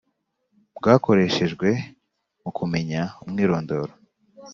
Bwakoreshejwe Mu Kumenya Umwirondoro